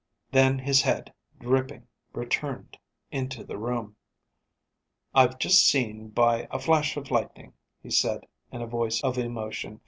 Then his head, dripping, returned into the room. "I've just seen by a flash of lightning," he said in a voice of emotion.